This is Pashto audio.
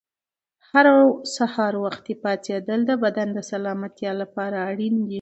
هر سهار وختي پاڅېدل د بدن د سلامتیا لپاره اړین دي.